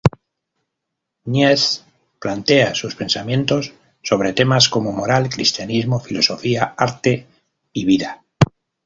Nietzsche plantea sus pensamientos sobre temas como: moral, cristianismo, filosofía, arte y vida.